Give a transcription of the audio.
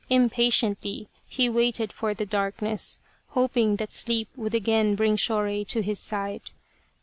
Impatiently he waited for the darkness, hoping that sleep would again bring Shorei to his side.